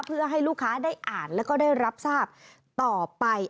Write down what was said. เพื่อให้ลูกค้าได้อ่านแล้วก็ได้รับทราบต่อไป